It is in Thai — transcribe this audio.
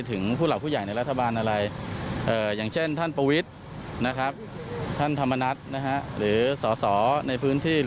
ต่างกรรมต่างวาระนะครับ